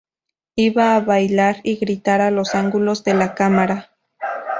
Iba a bailar y gritar a los ángulos de la cámara.